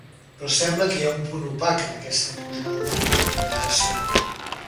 Però sembla que hi ha un punt opac, en aquesta pujada de remuneració.